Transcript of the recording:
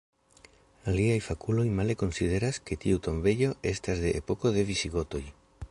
Aliaj fakuloj male konsideras, ke tiu tombejo estas de epoko de visigotoj.